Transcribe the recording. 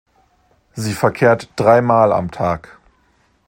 Sie verkehrt drei Mal am Tag.